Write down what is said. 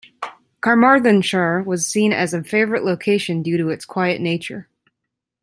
Carmarthenshire was seen as a favourite location due to its quiet nature.